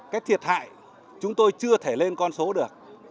cái thiệt hại chúng tôi chưa thể lên con số được